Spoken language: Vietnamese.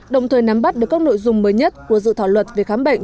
đồng thời nắm bắt được các nội dung mới nhất của dự thảo luật về khám bệnh